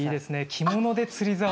着物で釣りざお。